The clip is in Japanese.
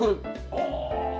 ああ。